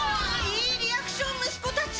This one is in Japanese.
いいリアクション息子たち！